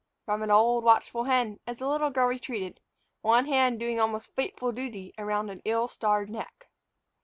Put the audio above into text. from an old, watchful hen as the little girl retreated, one hand doing almost fatal duty around an ill starred neck.